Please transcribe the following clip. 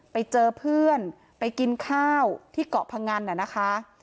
ไปเจอเพื่อนไปกินข้าวที่เกาะพงันน่ะนะคะ